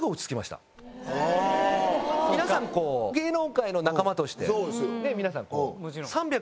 皆さんこう芸能界の仲間として皆さんこう３６０度。